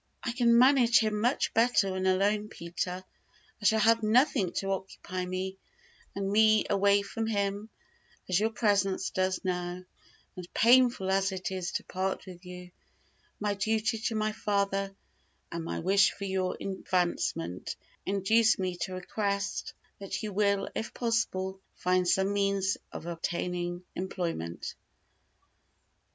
"I can manage him much better when alone, Peter; I shall have nothing to occupy me, and take me away from him, as your presence does now; and, painful as it is to part with you, my duty to my father, and my wish for your advancement, induce me to request that you will, if possible, find some means of obtaining employment."